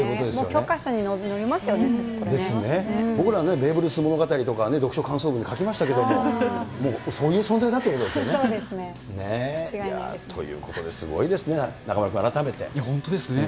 教科書に載りますよね、僕ら、ベーブ・ルース物語とか、読書感想文で書きましたけれども、もうそういう存在だっていうことそうですね。ということで、すごいですね、本当ですね。